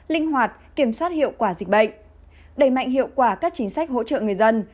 linh hoạt kiểm soát hiệu quả dịch bệnh đẩy mạnh hiệu quả các chính sách hỗ trợ người dân